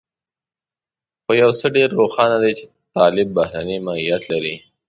خو يو څه ډېر روښانه دي چې طالب بهرنی ماهيت لري.